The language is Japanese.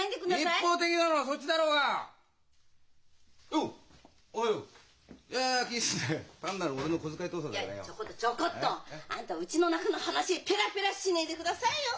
いやちょごっとちょごっと！あんたうちの中の話ペラペラしねえでくださいよ！